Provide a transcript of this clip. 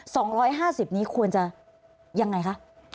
สองร้อยห้าสิบนี้ควรจะยังไงคะ